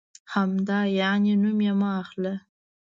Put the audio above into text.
همدا یعنې؟ نوم یې مه اخله.